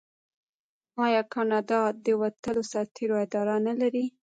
آیا کاناډا د وتلو سرتیرو اداره نلري؟